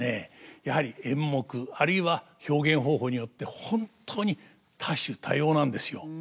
やはり演目あるいは表現方法によって本当に多種多様なんですよ。